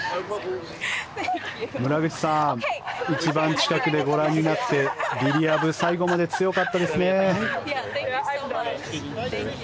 村口さん一番近くでご覧になってリリア・ブ最後まで強かったですね。